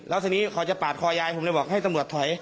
แล้วทีนี้เขาจะปาดคอยายผมเลยบอกให้ตำรวจถอย